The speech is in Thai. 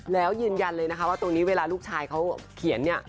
แล้วยืนยันเลยนะคะว่าตรงนี้เวลาลูกชายเขาเขียนเนี่ย